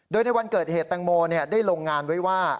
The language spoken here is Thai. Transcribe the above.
โดยในวันเกิดเหตุแตงโมได้ลงงานไว้ว่า